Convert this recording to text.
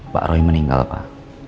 pak roy meninggal pak